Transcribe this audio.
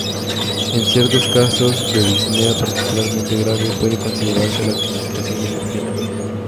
En ciertos casos de disnea particularmente grave, puede considerarse la administración de morfina.